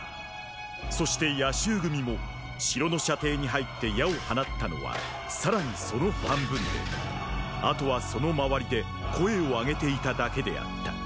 そして夜襲組も城の射程に入って矢を放ったのはさらにその半分であとはその周りで声を上げていただけであった。